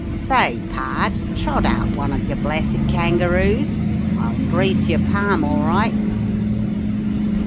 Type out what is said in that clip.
Say, pard, trot out one of your blessed kangaroos. I'll grease yer palm, all right."